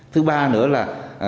thứ ba nữa là